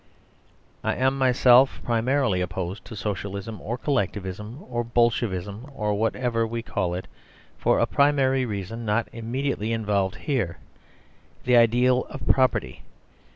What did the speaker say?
I am myself primarily opposed to Socialism, or Collectivism or Bolshevism or whatever we call it, for a primary reason not immediately involved here: the ideal of property.